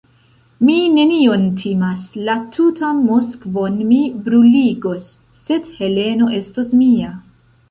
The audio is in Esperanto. Mi nenion timas, la tutan Moskvon mi bruligos, sed Heleno estos mia!